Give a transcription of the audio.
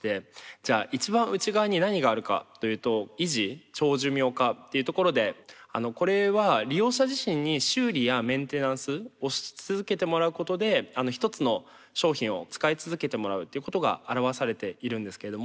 じゃあ一番内側に何があるかというと「維持・長寿命化」っていうところでこれは利用者自身に修理やメンテナンスをし続けてもらうことで一つの商品を使い続けてもらうということが表されているんですけれども。